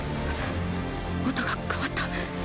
音が変わった！